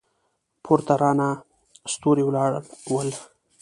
پورته راڼه ستوري ولاړ ول.